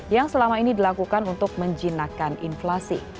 yang selama ini dilakukan untuk menjinakkan inflasi